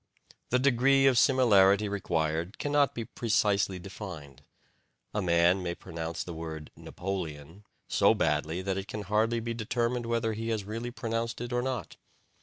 The degree of similarity required cannot be precisely defined: a man may pronounce the word "Napoleon" so badly that it can hardly be determined whether he has really pronounced it or not.